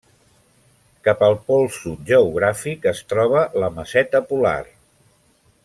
Cap al Pol Sud geogràfic es troba la Meseta Polar.